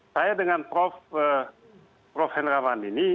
saya dengan prof prof henrawan ini